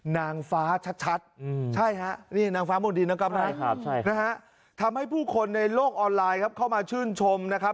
นางฟ้าชัดใช่ฮะนี่นางฟ้ามนดินนะครับทำให้ผู้คนในโลกออนไลน์ครับเข้ามาชื่นชมนะครับ